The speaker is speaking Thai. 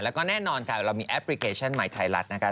แล้วก็แน่นอนค่ะเรามีแอปพลิเคชันใหม่ไทยรัฐนะคะ